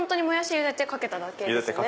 ゆでてかけただけです。